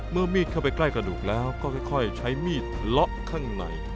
มีดเข้าไปใกล้กระดูกแล้วก็ค่อยใช้มีดเลาะข้างใน